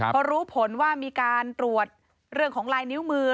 พอรู้ผลว่ามีการตรวจเรื่องของลายนิ้วมือ